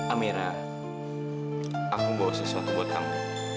amira aku membawa sesuatu buat kamu